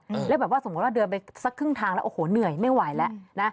แล้วแบบว่าสมมุติว่าเดินไปสักครึ่งทางแล้วโอ้โหเหนื่อยไม่ไหวแล้วนะ